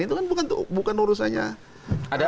itu kan bukan urusannya